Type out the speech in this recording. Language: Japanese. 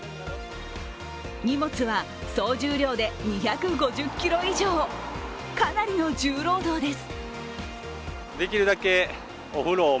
荷物は総重量で２５０ｋｇ以上かなりの重労働です。